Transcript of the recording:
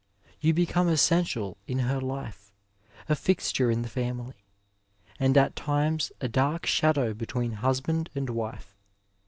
Tou become essential in her life, a fixture in the family, and at times a dark shadow between husband and wife.